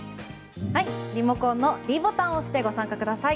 リモコンのｄボタンを押してご参加ください。